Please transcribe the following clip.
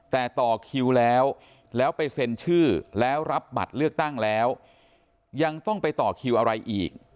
แต่ต่อคิวแล้วแล้วไปเซ็นชื่อแล้วรับบัตรเลือกตั้งแล้วยังต้องไปต่อคิวอะไรอีก